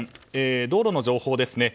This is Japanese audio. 道路の情報ですね。